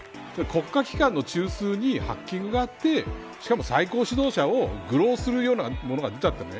国家機関の中枢にハッキングがあってしかも最高指導者を愚弄するようなものが出たって